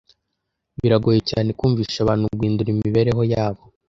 Biragoye cyane kumvisha abantu guhindura imibereho yabo.